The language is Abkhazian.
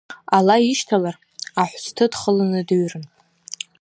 Ала ишьҭалар, аҳәсҭы дхыланы дыҩрын.